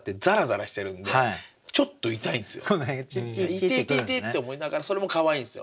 イテテテって思いながらそれもかわいいんですよ。